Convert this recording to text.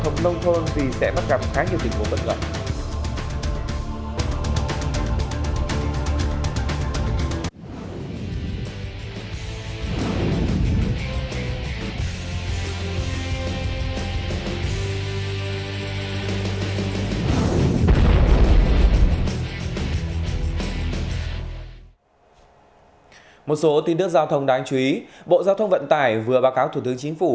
một số tin đức giao thông đáng chú ý bộ giao thông vận tải vừa báo cáo thủ tướng chính phủ